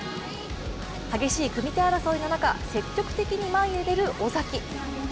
激しい組み手争いの中、積極的に前に出る尾崎。